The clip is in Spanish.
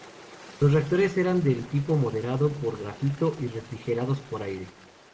Los reactores eran del tipo moderado por grafito y refrigerados por aire.